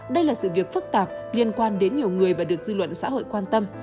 đây là sự việc phức tạp liên quan đến nhiều người và được dư luận xã hội quan tâm